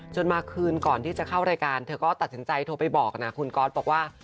มาคืนก่อนที่จะเข้ารายการเธอก็ตัดสินใจโทรไปบอกนะคุณก๊อตบอกว่า